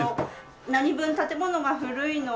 何分建物が古いので。